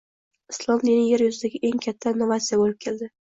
Islom dini yer yuziga eng katta novatsiya bo‘lib keldi!